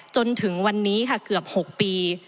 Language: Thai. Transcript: จนถึงวันนี้ค่ะเกือบ๖ปี